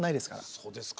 そうですか？